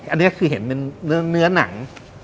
อันนี้คือเห็นเป็นเนื้อหนัง